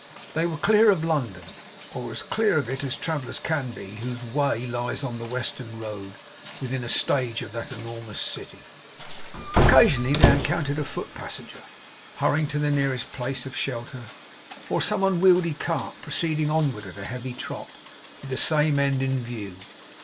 They were clear of London, or as clear of it as travellers can be whose way lies on the Western Road, within a stage of that enormous city. Occasionally they encountered a foot passenger, hurrying to the nearest place of shelter; or some unwieldy cart proceeding onward at a heavy trot, with the same end in view.